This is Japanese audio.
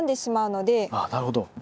ああなるほど。